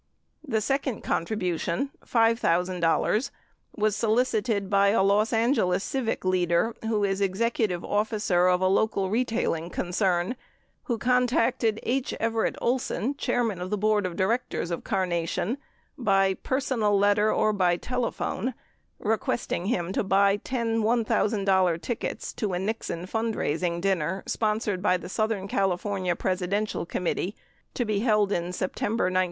The second contribution, $5,000, was solicited by a Los Angeles civic leader who is the executive officer of a local retailing concern, who contacted H. Everett Olson, chairman of the board of directors of Carnation, by personal letter or by telephone, requesting him to buy 10 $1,000 tickets to a Nixon fundraising dinner sponsored by the Southern California Presidential Committee, to be held in September 1972.